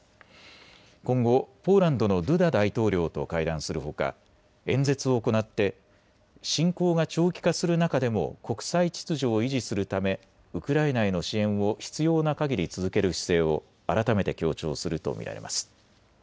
今後、ポーランドのドゥダ大統領と会談するほか、演説を行って侵攻が長期化する中でも国際秩序を維持するためウクライナへの支援を必要なかぎり続ける姿勢を改めて強調すると見られます。